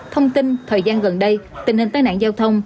thông tin thời gian gần đây tình hình tai nạn giao thông